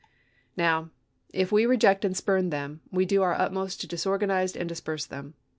" Now, if we reject and spurn them, we do our utmost to disorganize and disperse them.